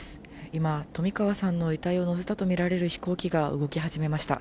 今、冨川さんの遺体を乗せたと見られる飛行機が動き始めました。